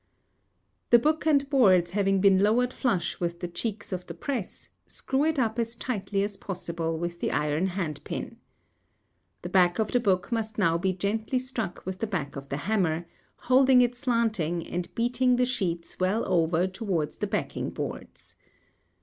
The book and boards having been lowered flush with the cheeks of the press, screw it up as tightly as possible with the iron hand pin. The back of the book must now be gently struck with the back of the hammer, holding it slanting and beating the sheets well over towards the backing boards.